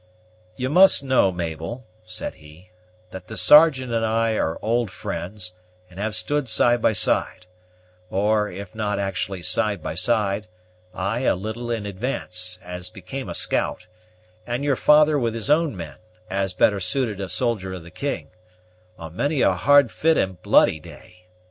"You must know, Mabel," said he, "that the Sergeant and I are old friends, and have stood side by side or, if not actually side by side, I a little in advance, as became a scout, and your father with his own men, as better suited a soldier of the king on many a hard fi't and bloody day.